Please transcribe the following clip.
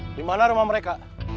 dimana rumah mereka